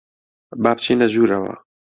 با بچینە ژوورەوە.